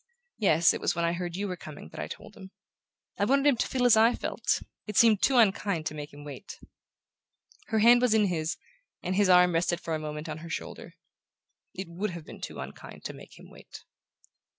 "Yes: it was when I heard you were coming that I told him. I wanted him to feel as I felt ... it seemed too unkind to make him wait!" Her hand was in his, and his arm rested for a moment on her shoulder. "It WOULD have been too unkind to make him wait."